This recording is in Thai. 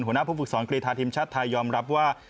หัวหน้าผู้ฝึกสอนกรีธาทีมชาติไทยยอมรับว่า